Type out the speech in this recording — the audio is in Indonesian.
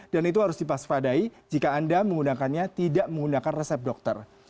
dan itu harus dipasifadai jika anda menggunakannya tidak menggunakan resep dokter